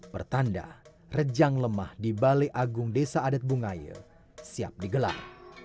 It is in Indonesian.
pertanda rejang lemah di balai agung desa adat bungaya siap digelar